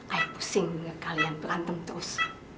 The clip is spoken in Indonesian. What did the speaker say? aku pusing denger kalian berantem terus